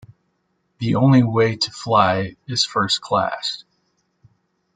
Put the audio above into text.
The only way too fly is first class